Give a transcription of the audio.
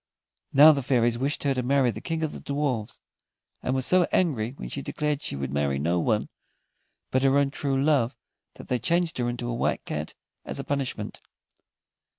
Now, the fairies wished her to marry the King of the Dwarfs, and were so angry when she declared she would marry no one but her own true love, that they changed her into a White Cat as a punishment.